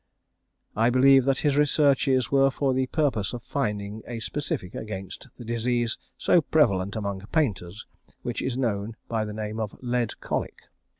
I believe that his researches were for the purpose of finding a specific against the disease so prevalent among painters, which is known by the name of "lead colic."